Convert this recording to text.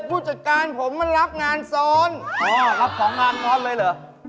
ผู้จัดการผมมันรับงานซ้อนอ๋อรับของงานซ้อนเลยเหรอ